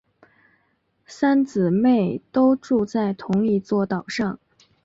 三姊妹都住在同一座岛上。